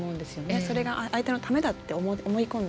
それが相手のためだって思い込んで。